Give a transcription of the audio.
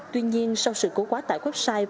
tuy nhiên sau sự cố quá tại website